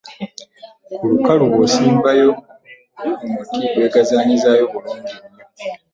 Ku lukalu bw’osimbayo emito gyegazaanyizaayo bulungi nnyo.